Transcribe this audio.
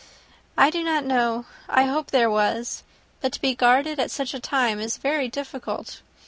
"I do not know: I hope there was. But to be guarded at such a time is very difficult.